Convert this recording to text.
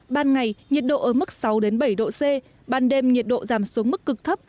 ban ngày nhiệt độ ở mức sáu bảy độ c ban đêm nhiệt độ giảm xuống mức cực thấp